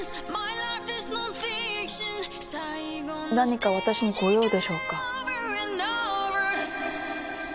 何か私にご用でしょうか？